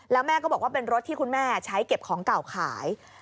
แล้วแม่ก็บอกว่าเป็นรถที่คุณแม่ใช้เก็บของเก่าขาย